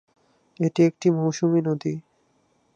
এটি একটি মৌসুমী নদী।